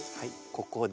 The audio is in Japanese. ここで。